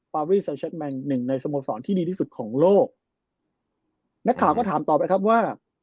ปารีเซลเช็ดแมงหนึ่งในสโมสรที่ดีที่สุดของโลกนักข่าวก็ถามต่อไปครับว่า